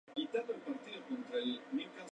En su juventud fue seminarista.